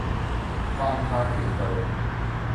翻他幾句，